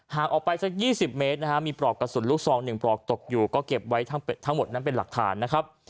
ออกไปสัก๒๐เมตรนะฮะมีปลอกกระสุนลูกซอง๑ปลอกตกอยู่ก็เก็บไว้ทั้งหมดนั้นเป็นหลักฐานนะครับ